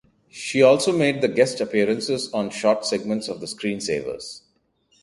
She also made guest appearances on short segments of "The Screen Savers".